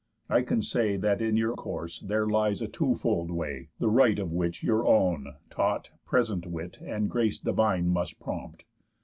I can say That in your course there lies a twofold way, The right of which your own, taught, present wit, And grace divine, must prompt.